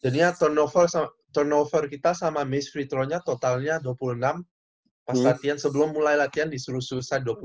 jadinya turnover turnover kita sama miss free throw nya totalnya dua puluh enam pas latihan sebelum mulai latihan disuruh selesai dua puluh enam kali